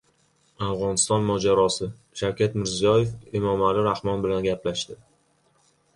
"Afg‘oniston mojarosi": Shavkat Mirziyoyev Emomali Rahmon bilan gaplashdi